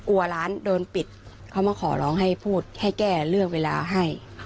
ร้านโดนปิดเขามาขอร้องให้พูดให้แก้เลือกเวลาให้